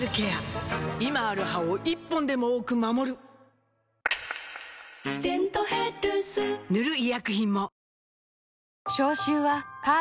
今ある歯を１本でも多く守る「デントヘルス」塗る医薬品も